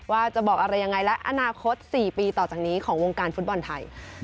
ว่าจะบอกอะไรยังไงและอนาคต๔ปีต่อจากนี้ของวงการฟุตบอลไทย